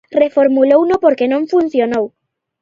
Reformulouno porque non funcionou.